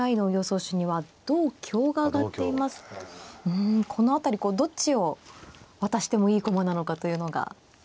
うんこの辺りこうどっちを渡してもいい駒なのかというのが。